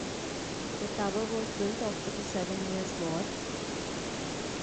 The tower was built after the Seven Years' War.